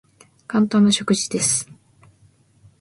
簡単な食事です。